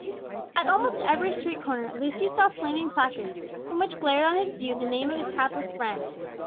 At almost every street corner Lucius saw flaming placards from which glared on his view the name of his hapless friend.